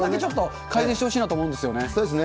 改善してほしいなと思うんですよね。